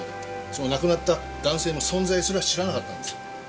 その亡くなった男性の存在すら知らなかったんですよ。